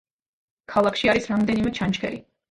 ქალაქში არის რამდენიმე ჩანჩქერი.